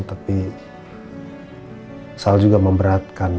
tapi sal juga memberatkan